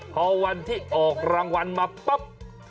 พอวันที่ออกรางวัลมาปั๊บ